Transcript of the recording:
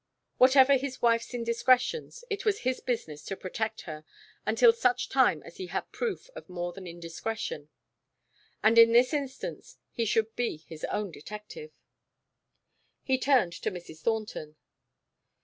Whatever his wife's indiscretions, it was his business to protect her until such time as he had proof of more than indiscretion. And in this instance he should be his own detective. He turned to Mrs. Thornton.